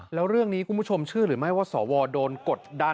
แล้วเรื่องนี้คุณผู้ชมเชื่อหรือไม่ว่าสวโดนกดดัน